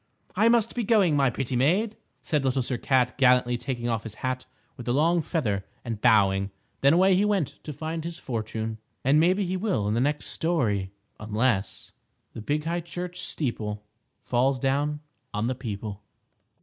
"I must be going, my pretty maid," said Little Sir Cat, gallantly taking off his hat with the long feather and bowing. Then away he went to find his fortune. And maybe he will in the next story, unless _The big high church steeple Falls down on the people.